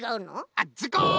あっズコン！